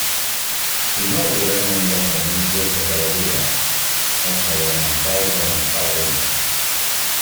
Inaugurem un dels moments durs de cada dia: el sagramental de muntar la tenda.